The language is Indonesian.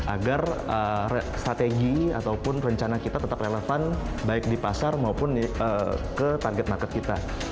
agar strategi ataupun rencana kita tetap relevan baik di pasar maupun ke target market kita